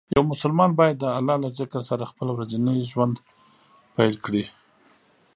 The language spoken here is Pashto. یو مسلمان باید د الله له ذکر سره خپل ورځنی ژوند پیل کړي.